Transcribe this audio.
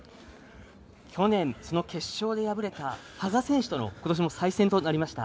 去年、その決勝で敗れた羽賀選手との今年も再戦となりました。